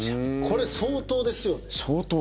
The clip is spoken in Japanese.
これ相当ですよね。